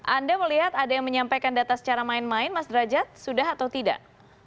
anda melihat ada yang menyampaikan data secara main main mas derajat sudah atau tidak